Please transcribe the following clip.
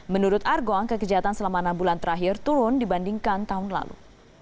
menurut argo angka kejahatan selama enam bulan terakhir turun dibandingkan tahun lalu